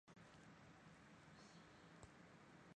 邓福如的奖项列表